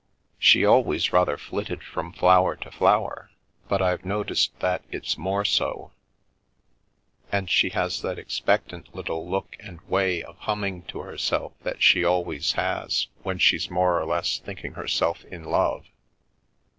" She always rather flitted from flower to flower, but I have noticed that it's more so. And she has that ex pectant little look and way of humming to herself that she always has when she's more or less thinking herself in love."